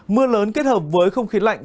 mưa lớn kết hợp với không khí lạnh